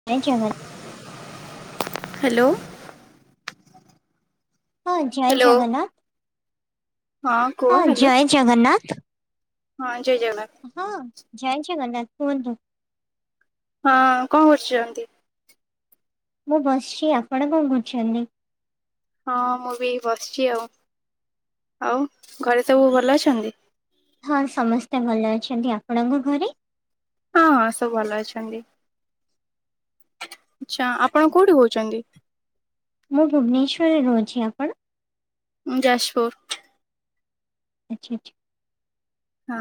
[unintelligible] Hello. ହଁ ଜୟ hello Jagannath, ହଁ କୁହ ହଁ ହ୍ୟାଲୋ ଜୟ ଜଗନ୍ନାଥ। ହଁ ଜୟ ଜଗନ୍ନାଥ। ହଁ ଜଗନ୍ନାଥ କୁହନ୍ତୁ। ହଁ କଣ କରୁଚନ୍ତି? ମୁଁ ବସିଚି। ଆପଣ କଣ କରୁଛନ୍ତି? ହଁ ମୁଁ ବି ବସିଚି ଆଉ। ଆଉ ଘରେ ସବୁ ଭଲ ଅଛନ୍ତି? ହଁ ସମସ୍ତେ ଭଲ ଅଛନ୍ତି। ଆପଣଙ୍କ ଘରେ? ହଁ ସବୁ ଭଲ ଅଛନ୍ତି। ଆଛା ଆପଣ କୋଉଠି କହୁଛନ୍ତି? ମୁଁ ଭୁବନେଶ୍ୱରରେ ରହୁଚି। ଆପଣ? ମୁଁ ଯାଜପୁର। ଆଚ୍ଛା ଆଚ୍ଛା। ହଁ।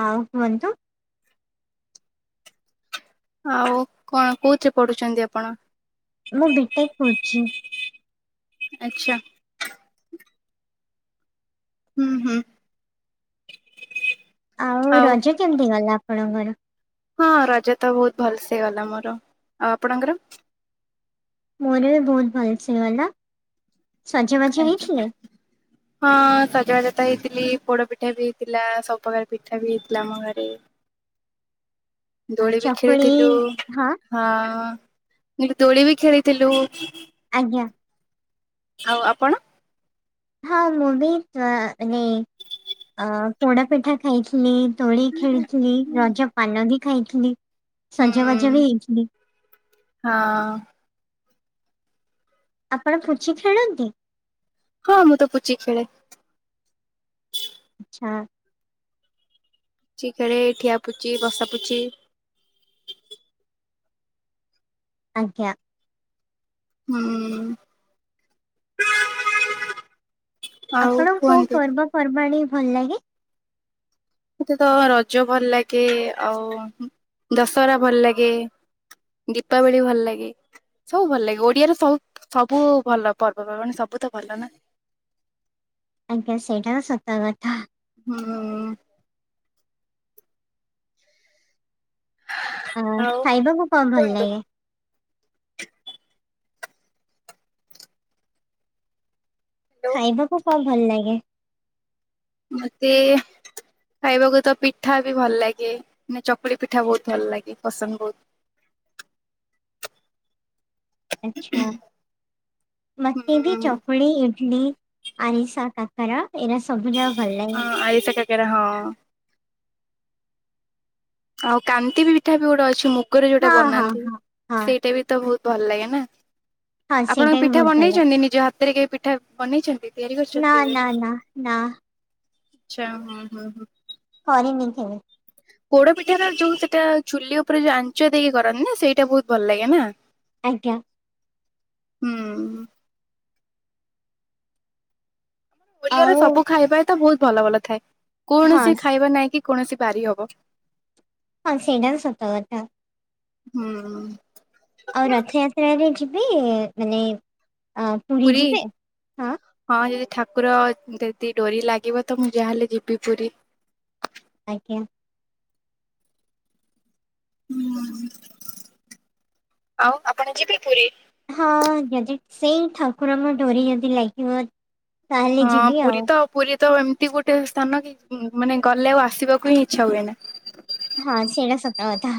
ଆଉ କୁହନ୍ତୁ। ଆଉ କଣ କୋଉଥିରେ ପଢୁଛନ୍ତି ଆପଣ? ମୁଁ ବି, ଟେକ, କରୁଚି। ଆଚ୍ଛା। ହୁଁ ହୁଁ। ଆଉ ରଜ କେମିତି ଗଲା ଆପଣଙ୍କର? ହଁ ରଜ ତ ବହୁତ ଭଲସେ ଗଲା ମୋର ଆଉ ଆପଣଙ୍କର? ମୋର ବି ବହୁତ ଭଲସେ ଗଲା। ସଜବାଜ ଆଚ୍ଛା ହେଇଥିଲେ? ହଁ ସଜବାଜ ତ ହେଇଥିଲି ପୋଡ ପିଠା ବି ହେଇଥିଲା ସବୁ ପ୍ରକାର ପିଠା ବି ହେଇଥିଲା ଆମ ଘରେ। ଆ ଦୋଳି ବି ଚକୁଳି ଖେଳିଥିଲୁ ହଁ ମୁଁ କହିଲି ଦୋଳି ବି ଖେଳିଥିଲୁ। ଆଜ୍ଞା। ଆଉ ଆପଣ? ହଁ ମୁଁ ବି ଆନେ ଅ ପୋଡା ପିଠା ଖାଇଥିଲି। ଡୋଳି ଖେଳିଥିଲି ରଜ ପାନ ବି ଖାଇଥିଲି ହୁଁ ସଜବାଜ ବି ହେଇଥିଲି। ହଁ। ଆପଣ ପୁଞ୍ଚି ଖେଳନ୍ତି? ହଁ ମୁଁ ତ ପୁଚି ଖେଳେ। ଆଚ୍ଛା। ପୁଚି ଖେଳେ ଠିଆପୁଚି, ବସାପୁଚି। ଆଜ୍ଞା। ହୁଁ [inaudible] ଆଉ ଆପଣଙ୍କୁ କୋଉ କୁହନ୍ତୁ। ପର୍ବପର୍ବାଣୀ ଭଲ ଲାଗେ? ମୋତେ ତ ରଜ ଭଲ ଲାଗେ। ଆଉ ଦଶହରା ଭଲ ଲାଗେ। ଦୀପାବଳି ଭଲ ଲାଗେ। ସବୁ ଭଲ ଲାଗେ। ଓଡିଆର ସବୁ ସବୁ ଭଲ ପର୍ବପର୍ବାଣି ସବୁ ତ ଭଲ ନା। ଆଜ୍ଞା ସେଇଟା ତ ସତ କଥା। ହୁଁ। ଆ ଆଉ ଖାଇବାକୁ କଣ ଭଲ କୁହନ୍ତୁ। ଲାଗେ? ହ୍ୟାଲୋ ଖାଇବାକୁ କଁ ଭଲ ଲାଗେ? ମତେ ଖାଇବାକୁ ତ ପିଠା ବି ଭଲ ଲାଗେ। ମାନେ ଚକୁଳି ପିଠା ବହୁତ ଭଲ ଲାଗେ। ପସନ୍ଦ ବହୁତ। ଆଚ୍ଛା ହୁଁ ମତେବି ଚକୁଳି ଇଟିଲି ଆରିଶା କାକରା। ଏରା ସବୁ ଯାକ ଭଲ ଲାଗେ। ହଁ ଆରିସା କାକରା ହଁ। ଆଉ କାନ୍ତି ପିଠା ବି ଗୋଟେ ଅଛି ମୁଗରେ ଯୋଉଟା ହଁ ହଁ ବନାନ୍ତି। ହଁ ହଁ ସେଇଟା ବି ତ ବହୁତ ଭଲ ଲାଗେ ନା ହଁ ଆପଣଙ୍କ ସେଇଟା ବି ପିଠା ବହୁତ ଭଲ ଲାଗେ। ବନେଇଛନ୍ତି? ନିଜ ହାତରେ କେବେ ପିଠା ବନେଇଛନ୍ତି? ତିଆରି ନା କରିଛନ୍ତି କେବେ? ନା ନା ନା ଆଚ୍ଛା ହୁଁ ହଁ ହଁ। କରିନି କେବେ। ପୋଡ଼ପିଠା ର ଯୋଉ ସେଇଟା ଚୁଲି ଉପରେ ଯୋଉ ଆଞ୍ଚ ଦେଇକି କରନ୍ତି ନା ସେଇଟା ବହୁତ ଭଲ ଲାଗେ ନା? ଆଜ୍ଞା। ହୁଁ ଓଡିଆରେ ଆଉ ସବୁ ଖାଇବା ତ ବହୁତ ଭଲ ଭଲ ଥାଏ। ହଁ କୌଣସି ସ- ଖାଇବା ନାଇଁ କି କୌଣସି ବାରିହବ। ହଁ ସେଇଟା ବି ସତ କଥା। ହୁଁ। ଆଉ ରଥଯାତ୍ରାରେ ଯିବେ ମାନେ ଅ ପୁରୀ? ଯିବେ? ହଁ ଯଦି ଠାକୁର ଯଦି ଡୋରି ଲାଗିବ ତ ମୁଁ ଯାହାହେଲେ ଯିବି ପୁରୀ। ଆଜ୍ଞା। ହୁଁ ଆଉ ଆପଣ ଯିବେ ପୁରୀ? ହଁ ଯଦି ସେଇ ଠାକୁରଙ୍କ ଡୋରି ଯଦି ଲାଗିବ ତାହେଲେ ହଁ ଯିବି ପୁରୀ ଆଉ ତ ପୁରୀ ତ ଏମତି ଗୋଟେ ସ୍ଥାନ କି ମାନେ ଗଲେ ଆଉ ଆସିବାକୁ ହିଁ ଇଚ୍ଛା ହୁଏ ନା। ହଁ ସେଟା ସତ କଥା।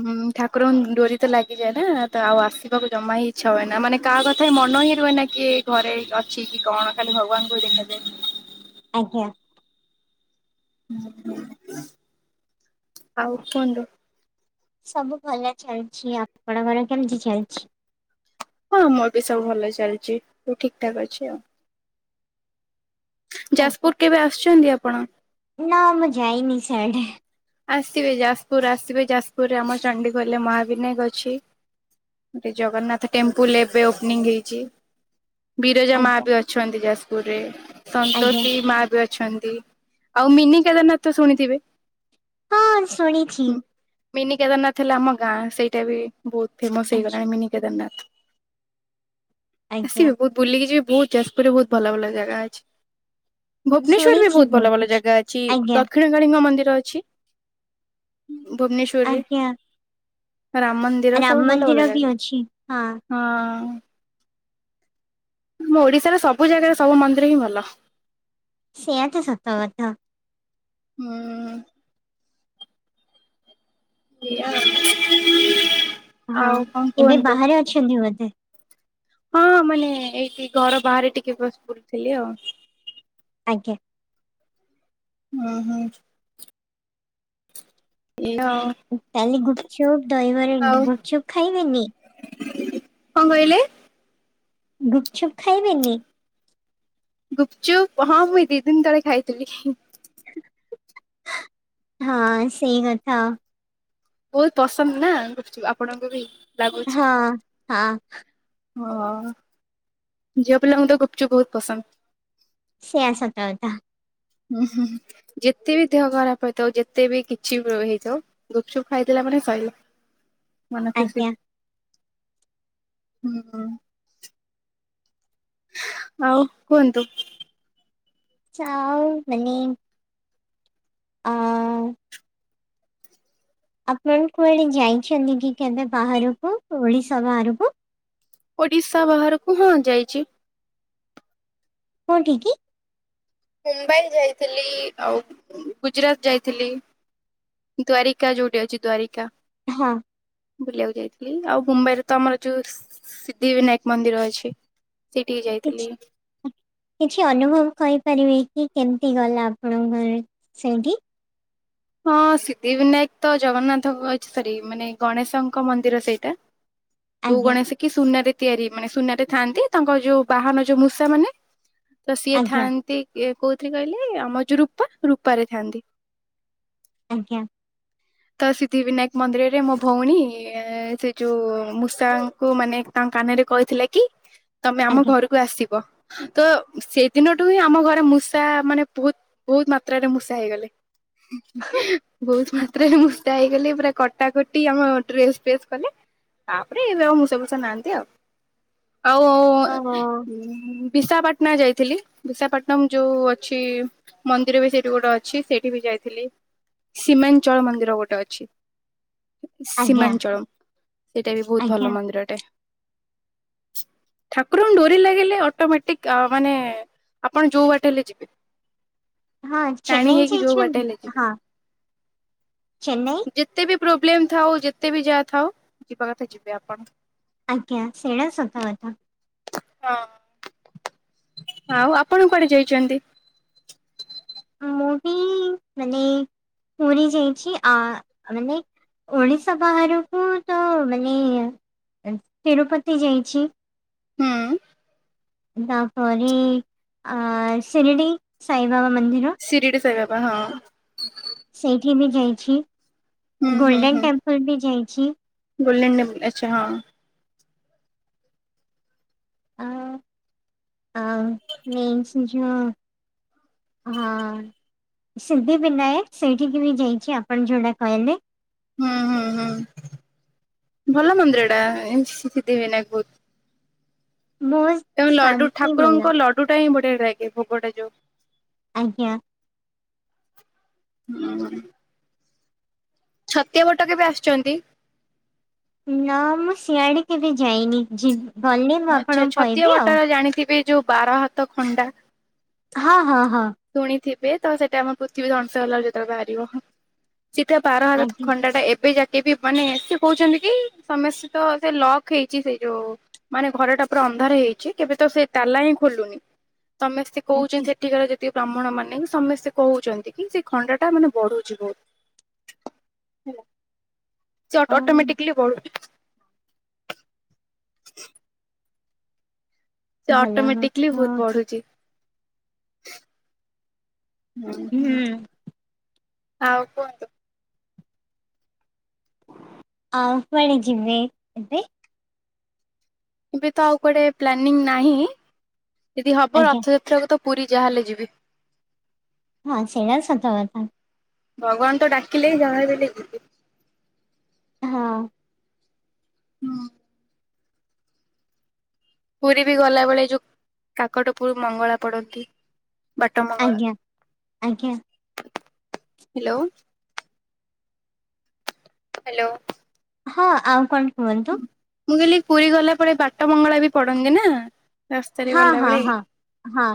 ହୁଁ ଠାକୁରଙ୍କ ଡୋରି ତ ଲାଗିଯାଏ ନା ତ ଆଉସିବାକୁ ଜମା ହି ଇଚ୍ଛା ହୁଏ ନା। ମାନେ କାହା କଥା ମନ ହିଁ ରୁହେ ନା କି କିଏ ଘରେ ଅଛି କି କଣ। ଖାଲି ଭଗବାନଙ୍କୁ ଦେଖା ଯାଏ। ଆଜ୍ଞା। ଆଉ କୁହନ୍ତୁ? ସବୁ ଭଲ ଚାଲିଛି। ଆପଣଙ୍କର କେମିତି ଚାଲିଛି? ହଁ ମୋର ବି ସବୁ ଭଲ ଚାଲିଛି। ସବୁ ଠିକ ଠାକ ଅଛି ଆଉ। ଆଜ୍ଞା। ଯାଜପୁର କେବେ ଆସୁଛନ୍ତି ଆପଣ? ନା ମୁଁ ଯାଇନି ସିଆଡ଼େ। ଆସିବେ ଯାଜପୁର ଆସିବେ। ଯାଜପୁର ରେ ଆମ ଚଣ୍ଡିଖୋଲ ମହାବିନାୟକ ଅଛି। ଗୋଟେ ଜଗନ୍ନାଥ ଟେମ୍ପୁଲ ଏବେ ଓପନିଂ ହେଇଛି। ବିରଜା ମା ଆଜ୍ଞା ବି ଅଛନ୍ତି ଯାଜପୁର ରେ, ଆଜ୍ଞା ସନ୍ତୋଷୀ ମା ବି ଅଛ ଛନ୍ତି ଆଉ ମିନି କେଦାରନାଥ ତ ଶୁଣିଥିବେ? ହଁ-ଅ-ଅ ଶୁଣି ହୁଁ ମିନି କେଦାରନାଥ ହେଲେ ଆମ ଗାଁ ସେଇଟା ବି ବହୁତ ଫେମସ୍ ଆଛା ହେଇଗଲାଣି ମିନି କେଦାରନାଥ। ଆଜ୍ଞା ଆସିବି ବହୁତ ବୁଲିକି ଯିବି ବହୁତ ଯାଜପୁରରେ ବହୁତ ଭଲ ଭଲ ଜାଗା ଅଛି। ଭୁବନେଶ୍ୱର ବି ଶୁଣିଛି ବହୁତ ଭଲ ଭଲ କିଛି ଜାଗା ଅଛି ଆଜ୍ଞା ଦ କ୍ଷିଣ କାଳୀ ମନ୍ଦିର ଅଛି ଭୁବନେଶ୍ଵରରେ। ଆଜ୍ଞା ରାମ ମନ୍ଦ ରାମ ମନ୍ଦିର ବି ଅଛି ହା। ହଁ-ଅ-ଅ-ଅ। ଆମ ଓଡିଶାର ସବୁ ଜାଗାରେ ସବୁ ମନ୍ଦିର ହିଁ ଭଲ। ସେଆ ତ ସତ କଥା। ହୁଁ-ଉ-ଉ-ଉ। ଏଆ। ହଁ ଏବେ ବାହାରେ ଅଛନ୍ତି ବୋଧେ? ହଁ ମାନେ ଏଇଠି ଘର ବାହାରେ ଟିକେ ବସି ପଡିଥିଲି ଆଉ। ଆଜ୍ଞା। ଓ ହଁ। ଏ ହଁ। କାଲି ଗୁପଚୁପ ଦହିବରା ଗୁପଚୁପ ଖାଇବେନି। କଣ କହିଲେ? ଗୁପଚୁପ୍ ଖାଇବେନି? ଗୁପଚୁପ୍ ହଁ ମୁଇଁ ଦି ଦିନ ତଳେ ଖାଇଥିଲି। ହଁ ସେଇ କଥା। ବହୁତ ପସନ୍ଦ ନା ଗୁପଚୁପ୍ ଆପଣଙ୍କୁ ବି? ହଁ ହଁ। ହଁ-ଅ-ଅ-ଅ ଝିଅ ପିଲାଙ୍କୁ ତ ଗୁପଚୁପ୍ ବହୁତ ପସନ୍ଦ। ସେଆ ସତ କଥା। ହୁଁ ହୁଁ। ଯେତେ ବି ଦେହ ଖରାପ ହେଇଥାଉ ଯେତେ ବି କିଛି ବି ହେଇଥାଉ ଗୁପଚୁପ୍ ଖାଇଲା ଦେଲା ମାନେ ସଇଲା। ମନ ଖୁସି ଆଜ୍ଞା। ହୁଁ ହୁଁ। ଆଉ କୁହନ୍ତୁ? ଚାଉ-ଉ-ମିନି ଆ-ଆ-ଆ ଆପଣ କୁଆଡେ ଯାଇଛନ୍ତି କି କେବେ ବାହାରକୁ ଓଡିଶା ବାହାରକୁ? ଓଡିଶା ବାହାରକୁ ହଁ ଯାଇଛି। କଉଁଠିକି? ମୁମ୍ବାଇ ଯାଇଥିଲି-ଇ-ଇ-ଇ ଆଉ ଗୁଜୁରାଟ ଯାଇଥିଲି। ଦ୍ଵାରିକା ଯୋଉଠି ଅଛି ଦ୍ୱାରିକା। ହଁ। ବୁଲିବାକୁ ଯାଇଥିଲି ଆଉ ମୁମ୍ବାଇରେ ତ ଆମର ଯୋଉ ସି-ସି-ସି ସିଦ୍ଧି ବିନାୟକ ମନ୍ଦିର ଅଛି। ସେଠିକି କିଛି ଯାଇଥିଲି। କିଛି ଅନୁଭବ କହିପାରିବେ କି କେମିତି ଗଲା ଆପଣଙ୍କର ସେଇଠି? ହଁ ସିଦ୍ଧି ବିନାୟକ ତ ଜଗନ୍ନାଥଙ୍କ ଅ ସରି ମାନେ ଗଣେଶଙ୍କ ମନ୍ଦିର ସେଇଟା। [inaudible] ଯୋଉ ଗଣ ସେ କି ସୁନାରେ ତିଆରି ମାନେ ସୁନାରେ ଥାଆନ୍ତି ତାଙ୍କର ଯୋଉ ବାହାନ ଯୋଉ ମୂଷା ମାନେ। ତ ସିଏ ଆଜ୍ଞା ଥାଆନ୍ତି କୋଉଥିରେ କହିଲେ ଆମର ଯଉ ରୂପା ରୂପାରେ ଥାଆନ୍ତି। ଆଜ୍ଞା। ତ ସିଦ୍ଧି ବିିନାୟକ ମନ୍ଦିରରେ ମୋ ଭଉଣୀ ସେ ଯୋଉ ମୂଷା ଙ୍କୁ ମାନେ ତାଙ୍କ କାନରେ କହିଥିଲା କି ତମେ ଆମ ଆଜ୍ଞା ଘରକୁ ଆସିବ। ତ ସେଇଦିନଠୁ ହିଁ ଆମ ଘରେ ମୂଷା ମାନେ ବହୁତ ବହୁତ ମାତ୍ରାରେ ମୂଷା ହେଇଗଲେ। ବହୁତ [unintelligible] ରେ ମୁଷା ହେଇଗଲି ପୁରା କଟାକଟି ଆମଡ୍ରେସ୍ ଫ୍ରେସ୍ କଲେ। ତାପରେ ଏବେ ଆଉ ମଷା ଫୁଷା ନାହାନ୍ତି ଆଉ ଆଉ। ଓହୋ ବିଶାଖପାଟଣା ଯାଇଥିଲି ବିଶାଖପାଟଣମ ଯୋଉ ଅଛି ମନ୍ଦିର ବି ସେଇଠି ଗୋଟେ ଅଛି ସେଇଠି ବି ଯାଇଥିଲି। ସିମାନ୍ ଚଳ ମନ୍ଦିର ଗୋଟେ ଅଛି। ଆଜ୍ଞା ସୀମାଞ୍ଚଳ ସେଇଟା ବି ବହୁତ ଆଜ୍ଞା ଭଲ ମନ୍ଦିରଟେ। [inaudible] ଠାକୁରଙ୍କୁ ଡୋରି ଲାଗିଲେ ଅଟୋମେଟିକ ମାନେ ଆପଣ ଯୋଉ ବାଟ ହେଲେ ଯିବେ ହଁ ଟାଣି ଚେନ୍ନାଇ ହେଇକି ଯୋଉ ବାଟ ଯାଇଛନ୍ତି ହେଲେ ଯିବେ। ଚେନେଇ ଯେତେ ବି ପ୍ରୋବ୍ଲେମ ଥାଉ ଯେତେ ବି ଯାହା ଥାଉ ଯିବା କଥା ଯିବେ ଆପଣ। ଆଜ୍ଞା ସେଇଡ଼ା ସତ କଥା। ହଁ ଆଉ ଆପଣ କୁଆଡେ ଯାଇଛନ୍ତି? ମୁଁ ବି ମାନେ ପୁରୀ ଯାଇଛି ଆ ମାନେ ଓଡିଶା ବାହାରକୁ ତ ମାନେ ତିରୁପତି ଯାଇଛି। ହୁଁ। ତାପରି ଶିରଡ଼ି ସାଇବାବା ମନ୍ଦିର। ସିରିଡି ସାଇ ବାବା ହଁ। ସେଇଠି ବି ଯାଇଛି ହୁଁ ଗୋଲଡେନ ଟେମ୍ପଲ ବି ଯାଇଛି। ଗୋଲ୍ଡେନ ଟେମ୍ପ ଆଛା ହଁ। ଆ ମନ୍ ଯ ହଁ ସିଦ୍ଧି ବିନାୟକ ସେଇଠିକି ବି ଯାଇଛି ଆପଣ ଯେଉଁଟା କହିଲେ। ହୁଁ ହୁଁ ହୁଁ ଭଲ ମନ୍ଦିର ଟା ଏମିତି [unintelligible] ବହୁତ ମସ୍ [unintelligible] ତେ ଲଡୁ ଠାକୁରଙ୍କ ଲଡୁ ଟା ହିଁ ବଢିଆ ଲାଗେ ଭୋଗଟା ଯୋଉ। ଆଜ୍ଞା। ହୁଁ। ଛତିଆ ପଟ କେବେ ଆସୁଛନ୍ତି? ନା ମୁଁ ସିଆଡେ କେବେ ଯାଇନି ଯ ଆଚ୍ଛା ଛତିଆ ବଟର ଜାଣିଥିବେ ଯୋଉ ବାର ହାତ ଖଣ୍ଡା। ହଁ ହଁ ହଁ। ଶୁଣିଥିବେ ତ ସେଟା ଆମର ପୃଥିବୀ ଧଂସ ହେଲା ଯେତେବେଳେ ବାହାରିବ। ସେତ ବାର ହାତ ଆଜ୍ଞା ଖଣ୍ଡା ଟା ଏବେ ଯା କେ ବି ମାନେ ସେ କହୁଛନ୍ତି କି ସମସ୍ତେ ତ ସେ ଲକ୍ ହେଇଛି ସେ ଯୋଉ ମାନେ ଘର ଟା ପୁରା ଅନ୍ଧାର ହେଇଛି କେବେ ତ ସେଇ ତାଲା ହିଁ ଖୋଲୁନି ତମେ କହୁଛି ଆଚ୍ଛା ସେଠିକାର ଯଦି ୟ ବ୍ରାହ୍ମଣ ମାନେ ସମସ୍ତେ କହୁଛନ୍ତି କି ସେ ଖଣ୍ଡା ଟା ମାନେ ବଢୁଛି ବହୁତ ସେ ହଁ ଅଟୋମେଟିକ୍ଲି ବଢୁଛି। [inaudible] ସେ ଭଲ ଅଟୋମେଟିକ୍କି କଥା। ବହୁତ ବଢୁଛି। ହଁ ହଁ ହୁଁ ଆଉ କୁହନ୍ତୁ। ଆଉ କୁଆଡେ ଯିବେ ଏବେ? ଏବେ ତ ଆଉ କୁଆଡ଼େ ପ୍ଲାନିଂ ନାହିଁ ଯଦି ହବ ଆଜ୍ଞା ରଥଯାତ୍ରାକୁ ତ ପୁରୀ ଯାହାହେଲେ ଯିବି। ହଁ ସେଇଟା ସତ କଥା। ଭଗବାନ ତ ଡାକିଲେ ହିଁ ଯାହା ହେଲେ ଯିବି ହଁ ହଁ ପୁରୀରେ ଗଲାବେଳେ ଯୋଉ କାକଟପୁର ମଙ୍ଗଳା ପଡ଼ନ୍ତି। ଆଜ୍ଞା। ଆଜ୍ଞା ବାଟମଙ୍ଗଳା ହ୍ୟାଲୋ। ହ୍ୟାଲୋ ହଁ ଆଉ କଣ କୁହନ୍ତୁ? ମୁଁ କହିଲିି ପୁରୀ ଗଲା ପରେ ବାଟ ମଙ୍ଗଳା ବି ପଡନ୍ତି ନା। ରାସ୍ତାରେ ହଁ ହଁ ଗଲାବେଳେ ହଁ ହଁ।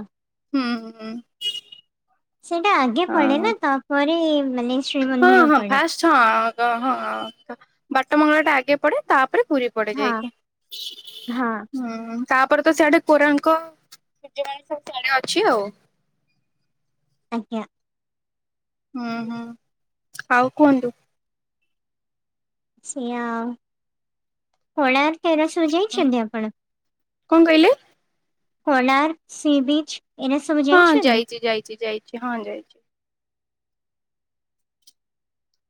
ହୁଁ। ସେଇଟା ଆଗେ ପଢେ ହଁ। ନା ତାପରେ ମାନେ ଶ୍ରୀମନ୍ଦିର ପଡେ। ଆଛା ହଁ ହଁ ବାଟ ମଙ୍ଗଳା ଟା ଆଗେ ପଡେ ତାପରେ ପୁରୀ ପଡେ ହଁ। ଯାଇକି ହଁ ହୁଁ ତାପରେ ତ ସିଆଡେ କୋରାଙ୍କ [unintelligible] ସିଆଡ଼େ ଅଛି ଆଉ ଆଜ୍ଞା ହୁଁ ହୁଁ ଆଉ କୁହନ୍ତୁ ସେ ଆଉ କୋଣାର୍କ ହେରା ସବୁ ଯାଇଛନ୍ତି ଆପଣ କଣ କହିଲେ କୋଣାର୍କ ସି ବୀଚ ଏସ୍ ହଁ ଯାଇଛି ଯାଇଛି ଯାଇଛି ହଁ ଯାଇଛି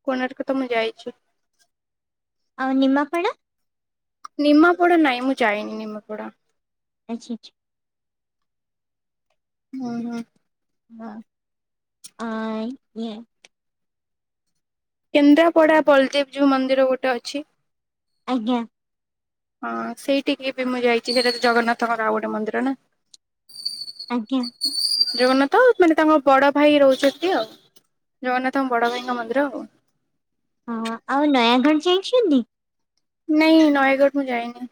କୋଣାର୍କ ତ ମୁଁ ଯାଇଛି ଆଉ ନିମାପଡ଼ା ନିମା ପୋଡା ନାଇଁ ମୁଁ ଯାଇନି ନିମାପଡା ଆଛା ହୁଁ ହୁଁ ହଁ କେନ୍ଦ୍ରାପଡ଼ା ବଲଦେବଜଉ ମନ୍ଦିର ଗୋଟେ ଅଛି ଆଜ୍ଞା ହଁ ସେଇଠିକି ବି ମୁଁ ଯାଇଛି ସେଇଟା ତ ଜଗନ୍ନାଥଙ୍କ ଆଉ ଗୋଟେ ମନ୍ଦିର ନା ଆଜ୍ଞା ଜଗନ୍ନାଥ ଆଉ ମାନେ ତାଙ୍କ ବଡ ଭାଇ ରହୁଛନ୍ତି ଆଉ ଜଗନ୍ନାଥଙ୍କ ବଡ଼ ଭାଇଙ୍କ ମନ୍ଦିର ଆଉ ହଁ ଆଉ ନୟାଗଡ଼ ଯାଇଛନ୍ତି ନାଇଁ ନୟାଗଡ଼ ମୁଁ ଯାଇନି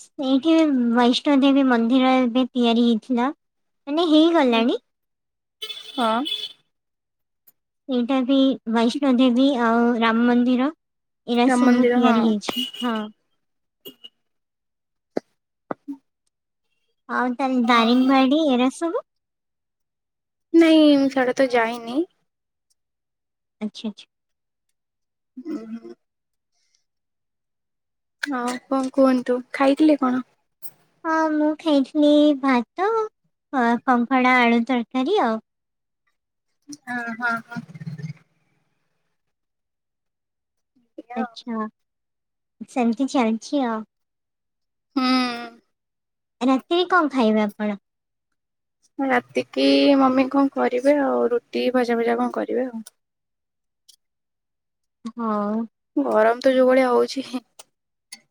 ସେଇଠି ବୈଷ୍ଣୋ ଦେବୀ ମନ୍ଦିର ଏବେ ତିଆରି ହେଇଥିଲା ମାନେ ହେଇଗଲାଣି ହଁ ସେଇଟା ବି, ବୈଷ୍ଣୋ ଦେବୀ, ଆଉ ରାମ ମନ୍ଦିର ଏଇଟା ରାମ ସବୁ ମନ୍ଦିର ହଁ। ତିଆରି ହେଇଛି। ହଁ। ଆଉ ତାହାଲେ ହଁ ଦାରିଙ୍ଗବାଡି ଏରା ସବୁ? ନାଇଁ ମୁଁ ସିଆଡ଼େ ତ ଯାଇନି। ଆଛା ଆଛା। [inaudible] ହଁ, କଣ କୁହନ୍ତୁ। ଖାଇଥିଲେ କଣ? ହଁ ମୁଁ ଖାଇଥିଲି ଭାତ, କଙ୍କଡ଼ା ଆଳୁ ତରକାରୀ ଆଉ। ହଁ ହଁ ହଁ। ଆଚ୍ଛା, ସେମତି ଜାଣିଛି ଆଉ। ହୁଁ। ରାତିକି କଣ ଖାଇବେ ଆପଣ? ରାତିକି ମମି କଣ କରିବେ ଆଉ, ରୁଟି, ଭଜା ଫଜା କଣ କରିବେ ଆଉ। ହଁ। ଗରମ ତ ଯୋଉ ଭଳିଆ ହଉଛି